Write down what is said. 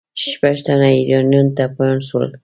شپږ تنه ایرانیان ټپیان سول.